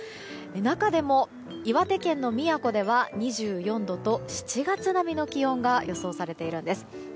中でも、岩手県の宮古では２４度と７月並みの気温が予想されているんです。